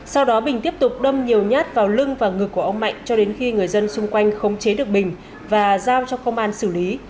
sau đó bình tiếp tục đâm nhiều nhát vào lưng và ngực của ông mạnh cho đến khi người dân xung quanh khống chế được bình và giao cho công an xử lý